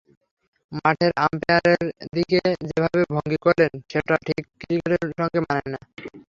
মাঠের আম্পায়ারের দিকে যেভাবে ভঙ্গি করলেন, সেটা ঠিক ক্রিকেটের সঙ্গে মানায় না।